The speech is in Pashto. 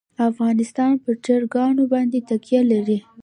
افغانستان په چرګان باندې تکیه لري.